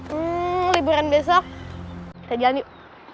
hmm liburan besok kita jalan yuk